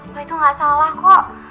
wah itu gak salah kok